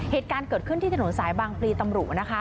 เหตุการณ์เกิดขึ้นที่ถนนสายบางพลีตำรุนะคะ